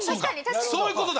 そういうことだ！